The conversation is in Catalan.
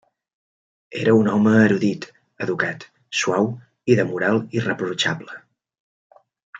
Era un home erudit, educat, suau i de moral irreprotxable.